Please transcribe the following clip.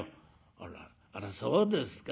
「あらあらそうですか。